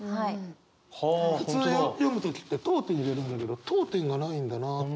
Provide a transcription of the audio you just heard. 普通読む時って読点入れるんだけど読点がないんだなって。